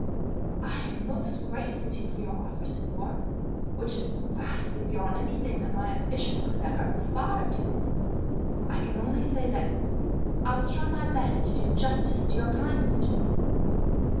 "I am most grateful to you for your offer, signor, which is vastly beyond anything that my ambition could ever have aspired to. I can only say that I will try my best to do justice to your kindness to me."